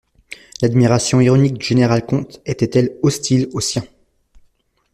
L'admiration ironique du général-comte était-elle hostile aux siens?